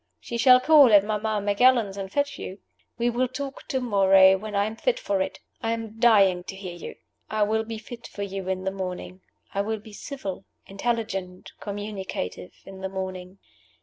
She shall call at Mamma Macallan's and fetch you. We will talk to morrow, when I am fit for it. I am dying to hear you. I will be fit for you in the morning. I will be civil, intelligent, communicative, in the morning.